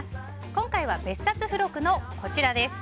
今回は別冊付録のこちらです。